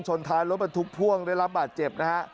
ท้ายรถบรรทุกพ่วงได้รับบาดเจ็บนะฮะ